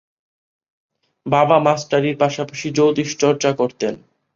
বাবা মাস্টারির পাশাপাশি জ্যোতিষচর্চা করতেন।